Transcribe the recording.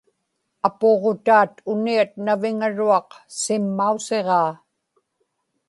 apuġutaat uniat naviŋaruaq simmausiġaa